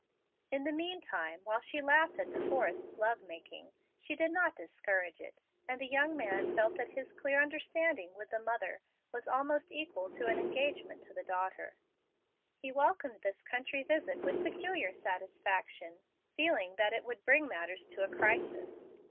In the mean time, while she laughed at De Forrest's love making, she did not discourage it, and the young man felt that his clear understanding with the mother was almost equal to an engagement to the daughter. He welcomed this country visit with peculiar satisfaction, feeling that it would bring matters to a crisis.